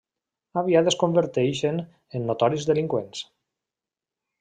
Aviat es converteixen en notoris delinqüents.